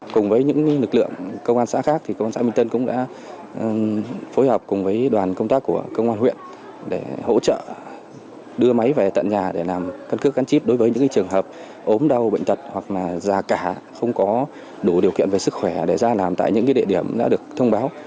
cùng với những lực lượng công an xã khác thì công an xã minh tân cũng đã phối hợp cùng với đoàn công tác của công an huyện để hỗ trợ đưa máy về tận nhà để làm căn cước gắn chip đối với những trường hợp ốm đau bệnh tật hoặc là già cả không có đủ điều kiện về sức khỏe để ra làm tại những địa điểm đã được thông báo